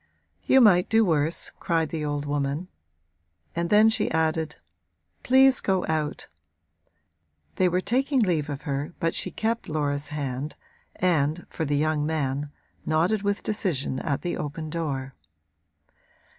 'You might do worse,' cried the old woman; and then she added: 'Please go out!' They were taking leave of her but she kept Laura's hand and, for the young man, nodded with decision at the open door.